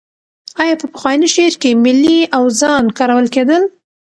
آیا په پخواني شعر کې ملي اوزان کارول کېدل؟